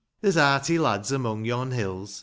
There's hearty lads among yon hills.